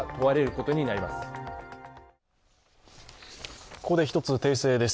ここで１つ訂正です。